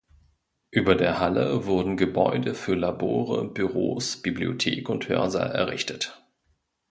Über der Halle wurden Gebäude für Labore, Büros, Bibliothek und Hörsaal errichtet.